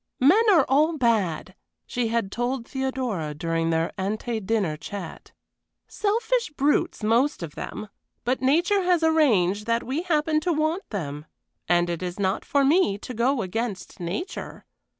"Men are all bad," she had told Theodora during their ante dinner chat. "Selfish brutes most of them; but nature has arranged that we happen to want them, and it is not for me to go against nature.